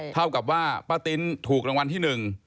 เท่ากับว่าป้าติ้นถูกรางวัลที่๑